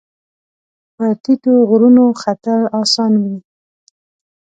په ټیټو غرونو ختل اسان وي